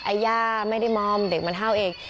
อย่าไม่ได้มอมเด็กมันห้าวเอง